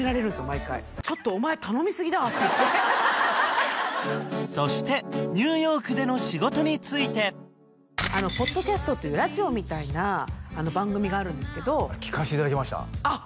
毎回「ちょっとお前頼みすぎだ」って言ってそしてニューヨークでの仕事についてポッドキャストっていうラジオみたいな番組があるんですけど聴かせていただきましたあっ